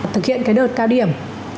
thực hiện cái đợt cao điểm